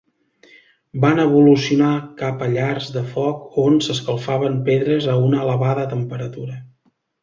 Van evolucionar cap a llars de foc on s'escalfaven pedres a una elevada temperatura.